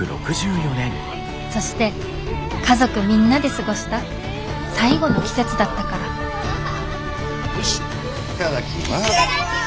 そして家族みんなで過ごした最後の季節だったからよし頂きます。